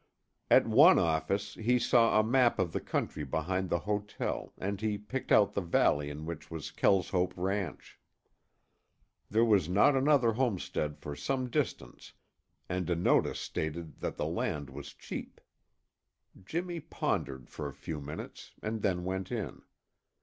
At one office he saw a map of the country behind the hotel and he picked out the valley in which was Kelshope ranch. There was not another homestead for some distance and a notice stated that the land was cheap. Jimmy pondered for a few minutes and then went in.